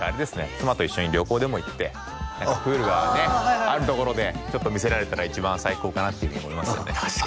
妻と一緒に旅行でも行って何かプールがねあるところでちょっと見せられたら一番最高かなっていうふうに思いますよね